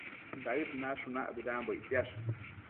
Daëd nashunac bëdanbo ictsiash